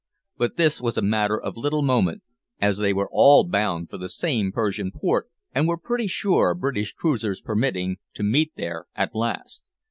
But this was a matter of little moment, as they were all bound for the same Persian port, and were pretty sure, British cruisers permitting, to meet there at last.